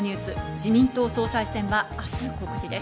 自民党総裁選は明日告示です。